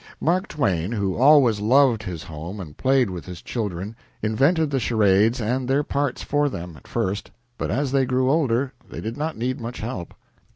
Mark Twain, who always loved his home and played with his children, invented the charades and their parts for them, at first, but as they grew older they did not need much help.